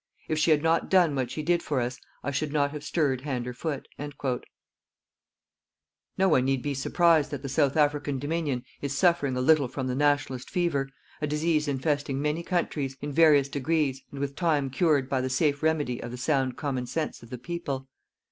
If she had not done what she did for us I should not have stirred hand or foot._"" No one need be surprised that the South African Dominion is suffering a little from the "Nationalist" fever, a disease infesting many countries, in various degrees, and with time cured by the safe remedy of the sound common sense of the people.